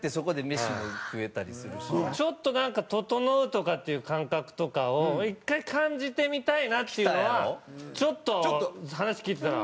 ちょっとなんかととのうとかっていう感覚とかを１回感じてみたいなっていうのはちょっと話聞いてたら。